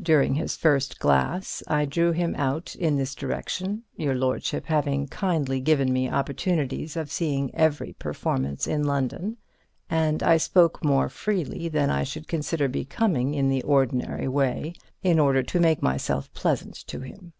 During his first glass I drew him out in this direction, your lordship having kindly given me opportunities of seeing every performance in London, and I spoke more freely than I should consider becoming in the ordinary way in order to make myself pleasant to him.